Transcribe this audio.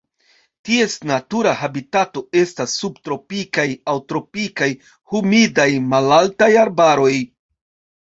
Ties natura habitato estas subtropikaj aŭ tropikaj humidaj malaltaj arbaroj.